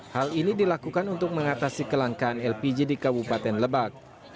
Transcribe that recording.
hal ini dilakukan untuk mengatasi kelangkaan lpg di kabupaten lebak